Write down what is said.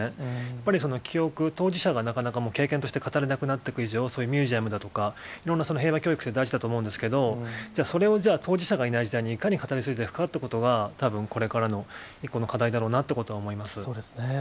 やっぱり記憶、当事者がなかなかもう経験として語れなくなっていく以上、そういうミュージアムだとか、いろんな平和教育って大事だと思うんですけど、それをじゃあ、当事者がいない時代に、いかに語り継いでいくかということが、たぶん、これからの一個の課題だろうなっそうですね。